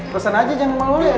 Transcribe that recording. pesen aja jangan sama lo ya